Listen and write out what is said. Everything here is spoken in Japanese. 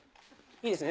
いいですね？